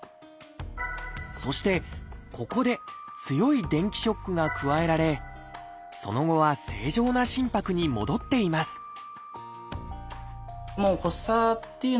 そしてここで強い電気ショックが加えられその後は正常な心拍に戻っていますはあ！